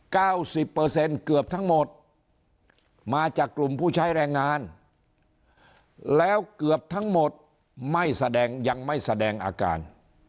เก้าสิบเปอร์เซ็นต์เกือบทั้งหมดมาจากกลุ่มผู้ใช้แรงงานแล้วเกือบทั้งหมดไม่แสดงยังไม่แสดงอาการ